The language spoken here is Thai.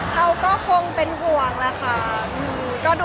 เขาก็คงเป็นห่วงแหละค่ะ